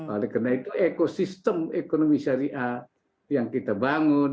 oleh karena itu ekosistem ekonomi syariah yang kita bangun